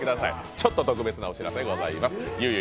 ちょっと特別なお知らせがあります。